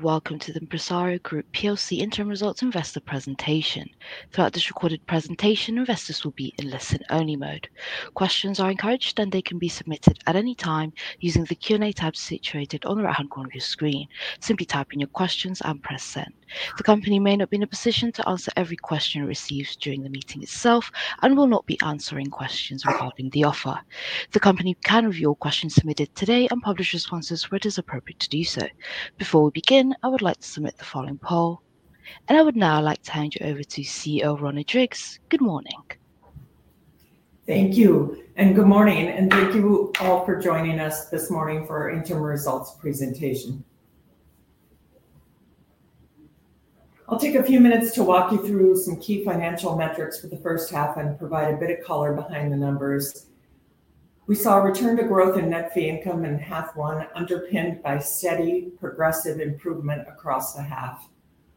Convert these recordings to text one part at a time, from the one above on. Welcome to the Empresaria Group plc Interim Results Investor Presentation. Throughout this recorded presentation, investors will be in listen-only mode. Questions are encouraged, and they can be submitted at any time using the Q&A tab situated on the right-hand corner of your screen. Simply type in your questions and press send. The company may not be in a position to answer every question received during the meeting itself and will not be answering questions regarding the offer. The company can review all questions submitted today and publish responses where it is appropriate to do so. Before we begin, I would like to submit the following poll. I would now like to hand you over to CEO Rhona Driggs. Good morning. Thank you. Good morning. Thank you all for joining us this morning for our interim results presentation. I'll take a few minutes to walk you through some key financial metrics for the first half and provide a bit of color behind the numbers. We saw a return to growth in net fee income in half one, underpinned by steady, progressive improvement across the half.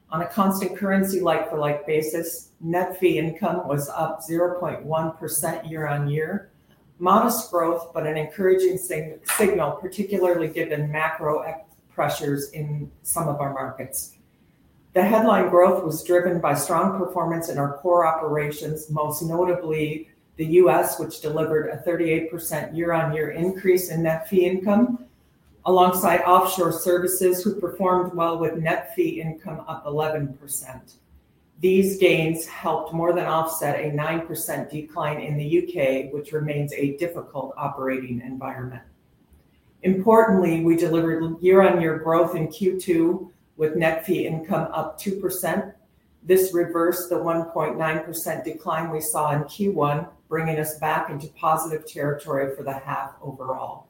On a constant currency like-for-like basis, net fee income was up 0.1% year-on-year. Modest growth, but an encouraging signal, particularly given macro pressures in some of our markets. The headline growth was driven by strong performance in our core operations, most notably the U.S., which delivered a 38% year-on-year increase in net fee income, alongside offshore services, who performed well with net fee income up 11%. These gains helped more than offset a 9% decline in the U.K., which remains a difficult operating environment. Importantly, we delivered year-on-year growth in Q2 with net fee income up 2%. This reversed the 1.9% decline we saw in Q1, bringing us back into positive territory for the half overall.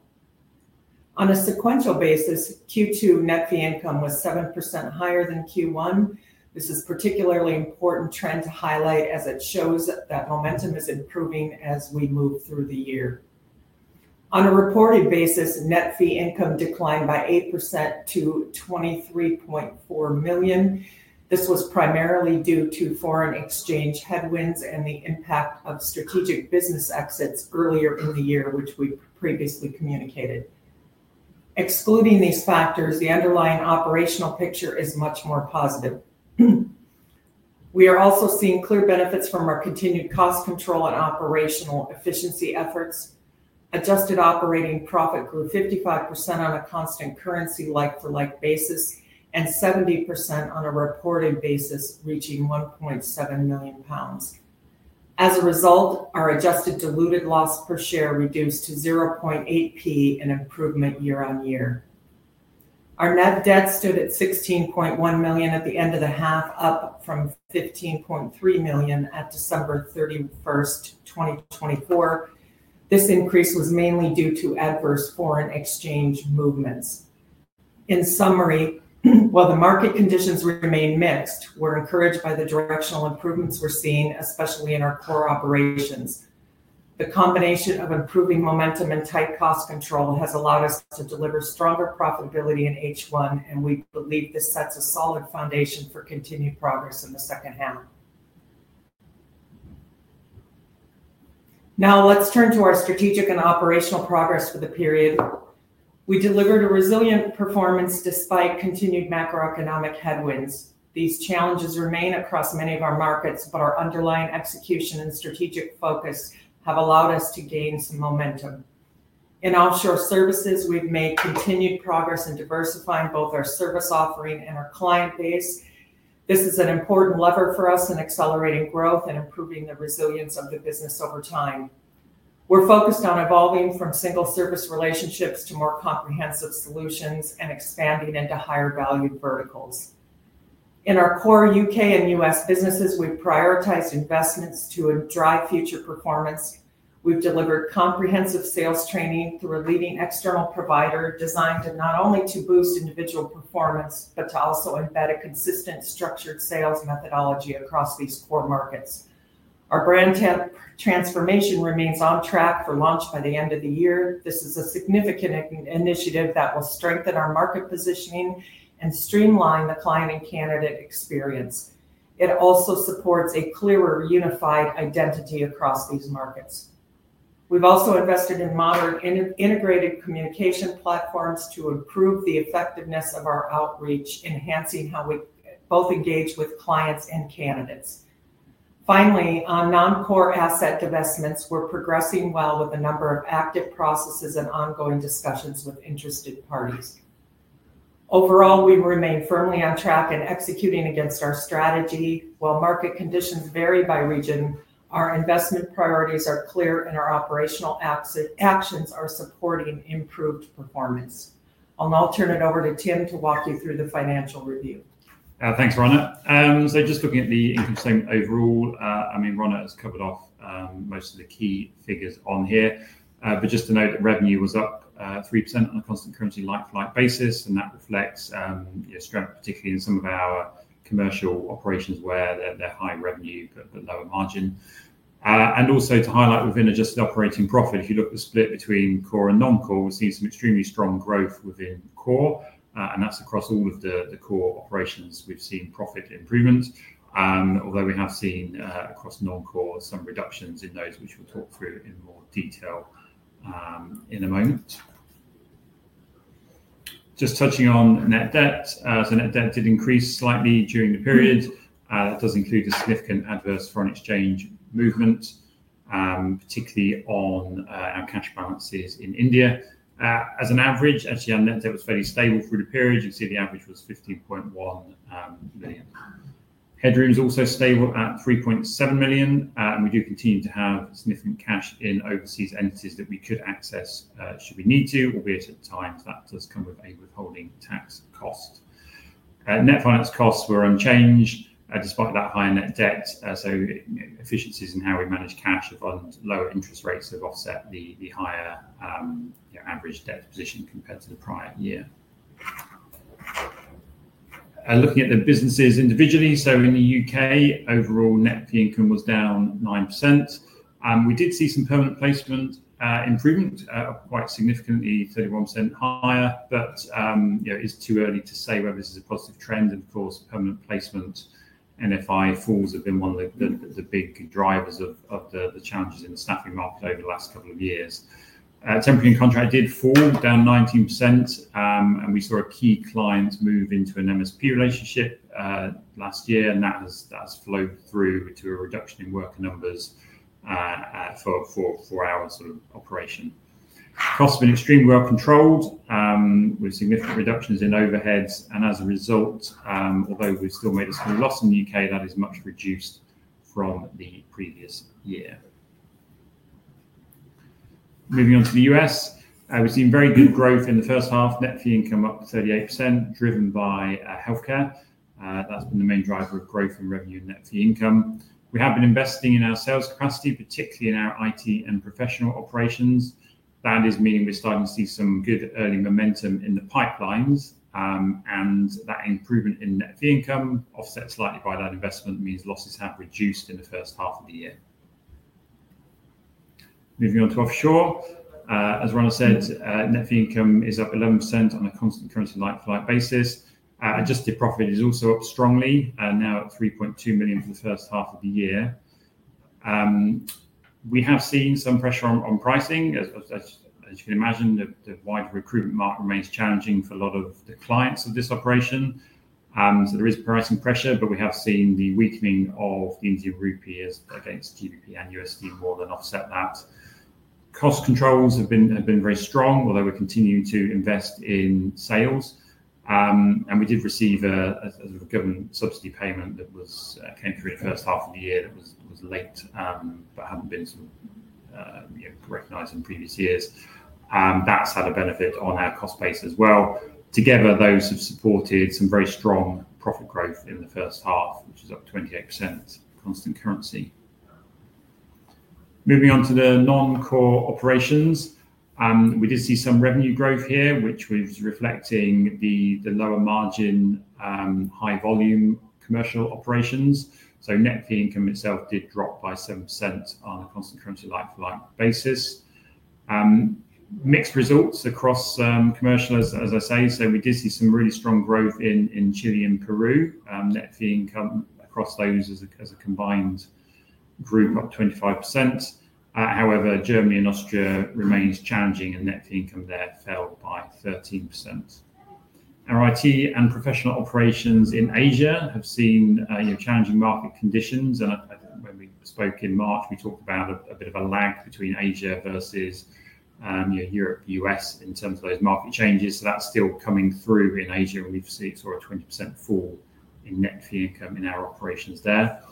On a sequential basis, Q2 net fee income was 7% higher than Q1. This is a particularly important trend to highlight, as it shows that momentum is improving as we move through the year. On a reported basis, net fee income declined by 8% to 23.4 million. This was primarily due to foreign exchange headwinds and the impact of strategic business exits earlier in the year, which we previously communicated. Excluding these factors, the underlying operational picture is much more positive. We are also seeing clear benefits from our continued cost control and operational efficiency efforts. Adjusted operating profit grew 55% on a constant currency like-for-like basis and 70% on a reported basis, reaching 1.7 million pounds. As a result, our adjusted diluted loss per share reduced to 0.008, an improvement year-on-year. Our net debt stood at 16.1 million at the end of the half, up from 15.3 million at December 31, 2024. This increase was mainly due to adverse foreign exchange movements. In summary, while the market conditions remain mixed, we're encouraged by the directional improvements we're seeing, especially in our core operations. The combination of improving momentum and tight cost control has allowed us to deliver stronger profitability in H1, and we believe this sets a solid foundation for continued progress in the second half. Now, let's turn to our strategic and operational progress for the period. We delivered a resilient performance despite continued macroeconomic headwinds. These challenges remain across many of our markets, but our underlying execution and strategic focus have allowed us to gain some momentum. In offshore services, we've made continued progress in diversifying both our service offering and our client base. This is an important lever for us in accelerating growth and improving the resilience of the business over time. We're focused on evolving from single-service relationships to more comprehensive solutions and expanding into higher-value verticals. In our core U.K. and U.S. businesses, we've prioritized investments to drive future performance. We've delivered comprehensive sales training through a leading external provider, designed not only to boost individual performance but to also embed a consistent, structured sales methodology across these core markets. Our brand transformation remains on track for launch by the end of the year. This is a significant initiative that will strengthen our market positioning and streamline the client and candidate experience. It also supports a clearer, unified identity across these markets. We've also invested in modern communication platforms to improve the effectiveness of our outreach, enhancing how we both engage with clients and candidates. Finally, on non-core asset divestments, we're progressing well with a number of active processes and ongoing discussions with interested parties. Overall, we remain firmly on track and executing against our strategy. While market conditions vary by region, our investment priorities are clear and our operational actions are supporting improved performance. I'll now turn it over to Tim to walk you through the financial review. Thanks, Rhona. Just looking at the income statement overall, Rhona has covered off most of the key figures on here. Just to note that revenue was up 3% on a constant currency like-for-like basis, and that reflects strength, particularly in some of our commercial operations where they're high in revenue but low in margin. Also to highlight within adjusted operating profit, if you look at the split between core and non-core, we've seen some extremely strong growth within core, and that's across all of the core operations we've seen profit improvement, although we have seen across non-core some reductions in those, which we'll talk through in more detail in a moment. Just touching on net debt, net debt did increase slightly during the period. That does include a significant adverse foreign exchange movement, particularly on our cash balances in India. As an average, actually, our net debt was fairly stable through the period. You can see the average was 15.1 million. Headroom is also stable at 3.7 million, and we do continue to have significant cash in overseas entities that we could access should we need to, albeit at a time that does come with a withholding tax cost. Net finance costs were unchanged despite that high net debt. Efficiencies in how we manage cash under lower interest rates have offset the higher average debt position compared to the prior year. Looking at the businesses individually, in the U.K., overall net fee income was down 9%. We did see some permanent placement improvement, up quite significantly, 31% higher, but it's too early to say whether this is a positive trend. Of course, permanent placement and FI falls have been one of the big drivers of the challenges in the staffing market over the last couple of years. Temporary contract did fall down 19%, and we saw a key client move into an MSP relationship last year, and that has flowed through to a reduction in worker numbers for our operation. Costs have been extremely well controlled with significant reductions in overheads, and as a result, although we've still made a small loss in the U.K., that is much reduced from the previous year. Moving on to the U.S., we've seen very good growth in the first half. Net fee income up to 38%, driven by healthcare. That's been the main driver of growth in revenue and net fee income. We have been investing in our sales capacity, particularly in our IT and professional operations. That is meaning we're starting to see some good early momentum in the pipelines, and that improvement in net fee income offset slightly by that investment means losses have reduced in the first half of the year. Moving on to offshore, as Rhona said, net fee income is up 11% on a constant currency like-for-like basis. Adjusted profit is also up strongly, now at 3.2 million for the first half of the year. We have seen some pressure on pricing. As you can imagine, the wider recruitment market remains challenging for a lot of the clients of this operation. There is pricing pressure, but we have seen the weakening of the Indian rupee against GBP and USD more than offset that. Cost controls have been very strong, although we continue to invest in sales, and we did receive a government subsidy payment that came through the first half of the year that was late but hadn't been recognized in previous years. That's had a benefit on our cost base as well. Together, those have supported some very strong profit growth in the first half, which is up 28% constant currency. Moving on to the non-core operations, we did see some revenue growth here, which was reflecting the lower margin, high volume commercial operations. Net fee income itself did drop by 7% on a constant currency like-for-like basis. Mixed results across commercial, as I say, we did see some really strong growth in Chile and Peru. Net fee income across those as a combined group up 25%. However, Germany and Austria remain challenging, and net fee income there fell by 13%. Our IT and professional operations in Asia have seen challenging market conditions, and when we spoke in March, we talked about a bit of a lag between Asia versus Europe and the U.S. in terms of those market changes. That's still coming through in Asia, and we've seen sort of a 20% fall in net fee income in our operations there.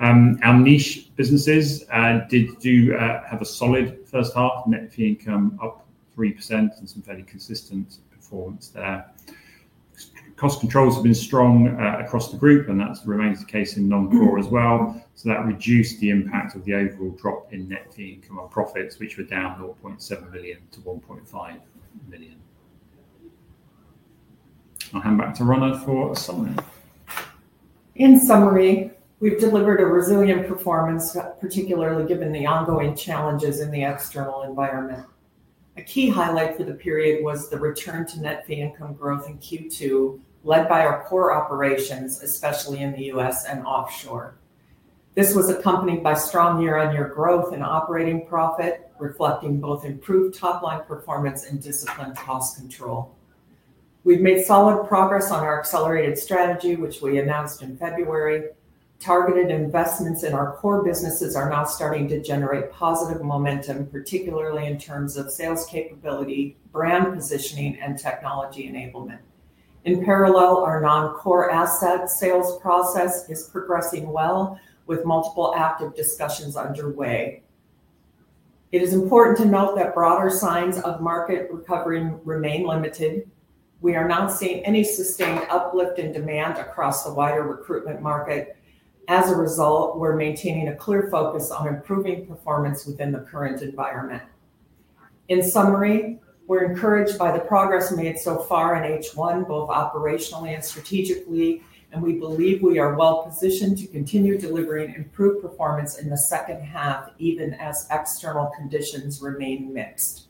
Our niche businesses did have a solid first half, net fee income up 3% and some fairly consistent performance there. Cost controls have been strong across the group, and that remains the case in non-core as well. That reduced the impact of the overall drop in net fee income or profits, which were down 0.7 million-1.5 million. I'll hand back to Rhona for a summary. In summary, we've delivered a resilient performance, particularly given the ongoing challenges in the external environment. A key highlight for the period was the return to net fee income growth in Q2, led by our core operations, especially in the U.S. and offshore. This was accompanied by strong year-on-year growth in operating profit, reflecting both improved top-line performance and disciplined cost control. We've made solid progress on our accelerated strategy, which we announced in February. Targeted investments in our core businesses are now starting to generate positive momentum, particularly in terms of sales capability, brand positioning, and technology enablement. In parallel, our non-core asset sales process is progressing well, with multiple active discussions underway. It is important to note that broader signs of market recovery remain limited. We are not seeing any sustained uplift in demand across the wider recruitment market. As a result, we're maintaining a clear focus on improving performance within the current environment. In summary, we're encouraged by the progress made so far in H1, both operationally and strategically, and we believe we are well positioned to continue delivering improved performance in the second half, even as external conditions remain mixed.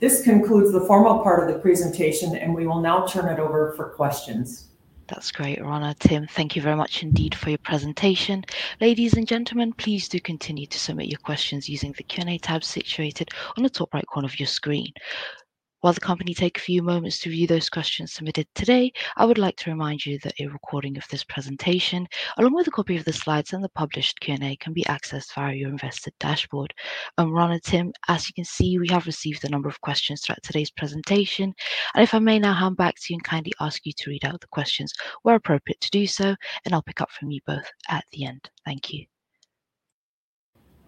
This concludes the formal part of the presentation, and we will now turn it over for questions. That's great, Rhona. Tim, thank you very much indeed for your presentation. Ladies and gentlemen, please do continue to submit your questions using the Q&A tab situated on the top right corner of your screen. While the company takes a few moments to review those questions submitted today, I would like to remind you that a recording of this presentation, along with a copy of the slides and the published Q&A, can be accessed via your investor dashboard. Rhona, Tim, as you can see, we have received a number of questions throughout today's presentation. If I may now hand back to you and kindly ask you to read out the questions where appropriate to do so, I'll pick up from you both at the end. Thank you.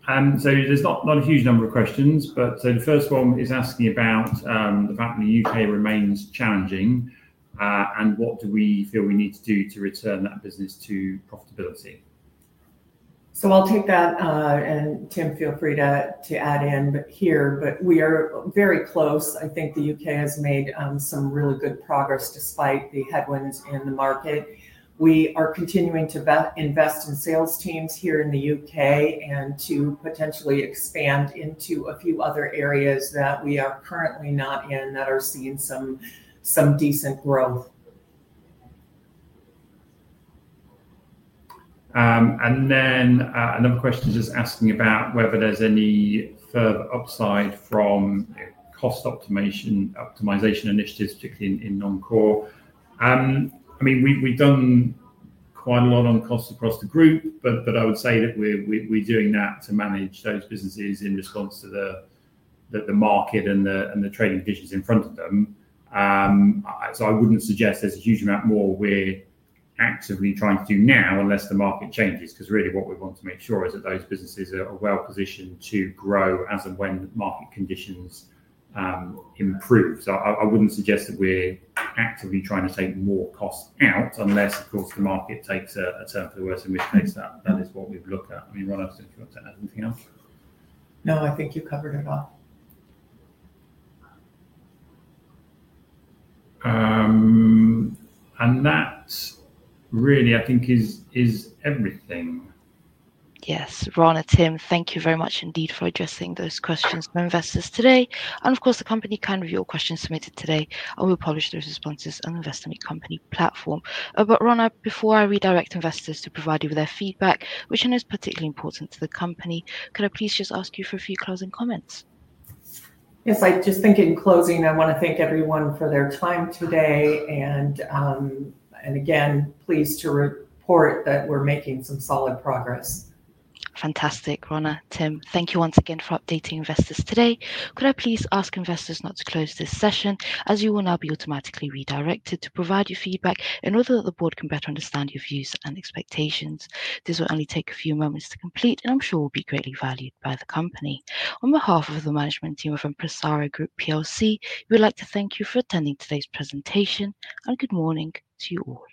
There’s not a huge number of questions, but the first one is asking about the fact that the U.K. remains challenging, and what do we feel we need to do to return that business to profitability? I'll take that, and Tim, feel free to add in here, but we are very close. I think the U.K. has made some really good progress despite the headwinds in the market. We are continuing to invest in sales teams here in the U.K. and to potentially expand into a few other areas that we are currently not in that are seeing some decent growth. Another question is just asking about whether there's any further upside from cost optimization initiatives, particularly in non-core. We've done quite a lot on costs across the group, but I would say that we're doing that to manage those businesses in response to the market and the trailing pitches in front of them. I wouldn't suggest there's a huge amount more we're actively trying to do now unless the market changes, because really what we want to make sure is that those businesses are well positioned to grow as and when the market conditions improve. I wouldn't suggest that we're actively trying to take more costs out unless, of course, the market takes a turn for the worst, in which case that is what we'd look at. Rhona, I don't know if you want to add anything else. No, I think you covered it all. That really, I think, is everything. Yes, Rhona, Tim, thank you very much indeed for addressing those questions from investors today. The company can review your questions submitted today, and we'll publish those responses on the Invest in the Company platform. Rhona, before I redirect investors to provide you with their feedback, which I know is particularly important to the company, could I please just ask you for a few closing comments? If I just think in closing, I want to thank everyone for their time today and, again, pleased to report that we're making some solid progress. Fantastic, Rhona, Tim. Thank you once again for updating investors today. Could I please ask investors not to close this session, as you will now be automatically redirected to provide your feedback in order that the board can better understand your views and expectations. This will only take a few moments to complete, and I'm sure will be greatly valued by the company. On behalf of the management team of Empresaria Group plc, we would like to thank you for attending today's presentation, and good morning to you all.